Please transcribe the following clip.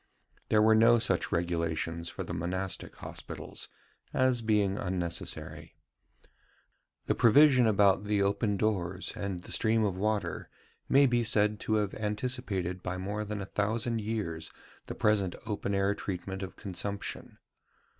There were no such regulations for the monastic hospitals, as being unnecessary. The provision about the open doors and the stream of water may be said to have anticipated by more than a thousand years the present open air treatment of consumption.